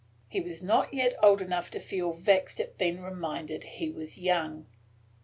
He was not yet old enough not to feel vexed at being reminded he was young.